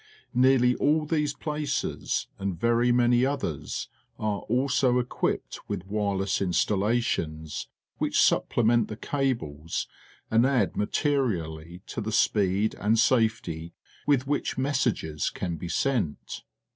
Nearly all these places and A'ery many others are also equipped with \\ ireless in stallations, which supplement the cables and add materially to the speed and safety with wlaich messages can be sent.